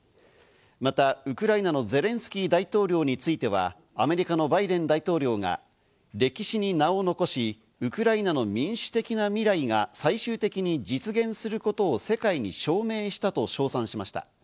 またウクライナのゼレンスキー大統領についてはアメリカのバイデン大統領が歴史に名を残しウクライナの民主的な未来が最終的に実現することを世界に証明したと称賛しました。